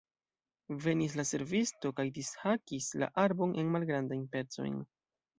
Venis la servisto kaj dishakis la arbon en malgrandajn pecojn.